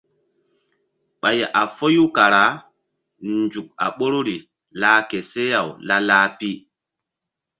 Ɓay a foyu kara nzuk a ɓoruri lah ke seh-aw la-lah pi.